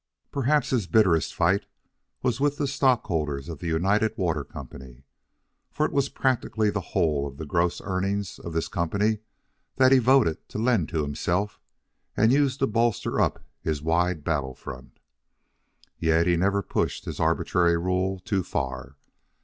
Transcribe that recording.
Perhaps his bitterest fight was with the stockholders of the United Water Company, for it was practically the whole of the gross earnings of this company that he voted to lend to himself and used to bolster up his wide battle front. Yet he never pushed his arbitrary rule too far.